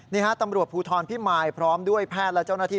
นี่ฮะตำรวจภูทรพิมายพร้อมด้วยแพทย์และเจ้าหน้าที่